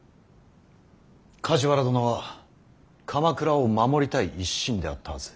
梶原殿は鎌倉を守りたい一心であったはず。